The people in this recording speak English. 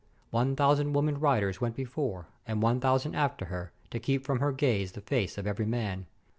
One thousand women riders went be fore, and one thousand after her, to keep from her gaze the face of every man.